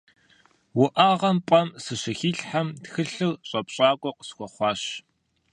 УӀэгъэм пӀэм сыщыхилъхьэм, тхылъыр щӀэпщакӀуэ къысхуэхъуащ.